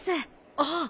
ああ